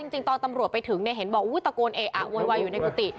จริงตอนตำรวจไปถึงเนี่ยเห็นบอกตะโกนเอะอะโวยวายอยู่ในกุฏิ